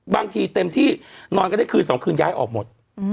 บางทีเต็มที่นอนกันได้คืน๒คืนย้ายออกหมด